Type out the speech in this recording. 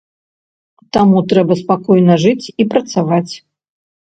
Таму трэба спакойна жыць і працаваць.